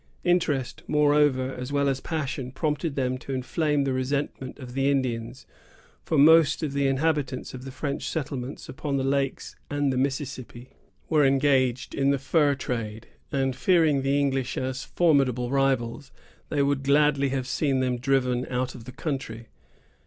Interest, moreover, as well as passion, prompted them to inflame the resentment of the Indians; for most of the inhabitants of the French settlements upon the lakes and the Mississippi were engaged in the fur trade, and, fearing the English as formidable rivals, they would gladly have seen them driven out of the country.